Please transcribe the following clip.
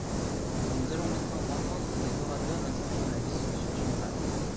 Nous allons maintenant entendre les orateurs inscrits dans la discussion générale.